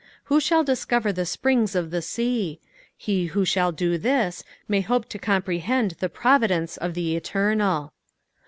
Who shall discover the springs of the sea ? He who shall do this may hope to comprehend tbe providence of the Eternal.